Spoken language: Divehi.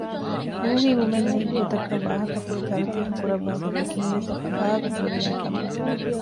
ފޫހިވުމެއް ނެތް ގޮތަކަށް ވާހަކަފުޅު ތަރުތީބު ކުރައްވާ ގޮތަކީ ވެސް ފާހަގަކުރެވޭ ކަމެއް